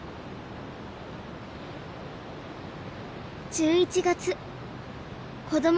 １１月こども